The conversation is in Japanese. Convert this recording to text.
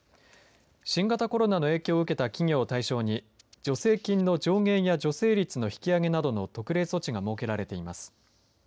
新型コロナの影響を受けた企業を対象に助成金の上限や助成率の引き上げなどの特例措置が設けられています。